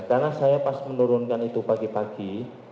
karena saya pas menurunkan itu pagi pagi